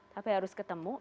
tapi harus ketemu